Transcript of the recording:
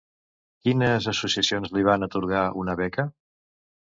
Quines associacions li van atorgar una beca?